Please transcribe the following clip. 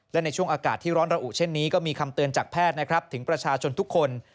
และในช่วงอากาศที่ร้อนระอุเช่นนี้ก็มีคำเตือนจากแพทย์นะครับถึงประชาชนทุกคน